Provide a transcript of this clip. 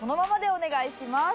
お願いします！